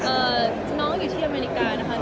น้องอยู่ที่อเมริกานะคะ